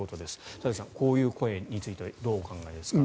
田崎さん、こういう声についてはどう思われますか？